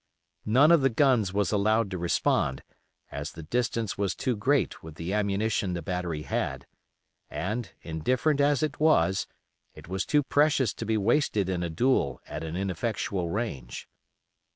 None of the guns was allowed to respond, as the distance was too great with the ammunition the battery had, and, indifferent as it was, it was too precious to be wasted in a duel at an ineffectual range.